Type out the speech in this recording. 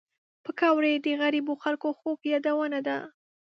پکورې د غریبو خلک خوږ یادونه ده